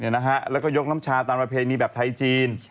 แล้วก็ยกน้ำชาตามประเพณีแบบไทยจีน